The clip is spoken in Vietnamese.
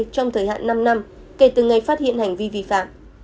trong thời hạn năm năm kể từ ngày phát hiện hành vi vi phạm